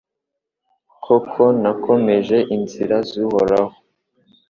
Koko nakomeje inzira z’Uhoraho